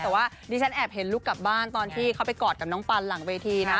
แต่ว่าดิฉันแอบเห็นลูกกลับบ้านตอนที่เขาไปกอดกับน้องปันหลังเวทีนะ